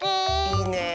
いいね。